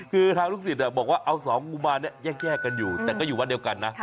คือทางลูกศิษย์บอกว่าเอาสองกุมารแยกกันอยู่แต่ก็อยู่วัดเดียวกันนะ